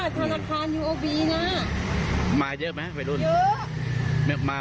เสียงปืนอ่ะหายนั้นอยู่มีคนเจ็บเห็นมั้ย